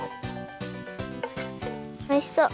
おいしそう。